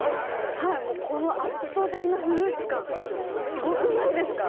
この圧倒的なフルーツ感、すごくないですか。